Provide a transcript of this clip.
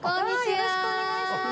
よろしくお願いします。